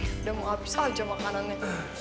udah mau habis aja makanannya